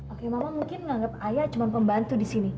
oke mama mungkin menganggap ayah cuma pembantu disini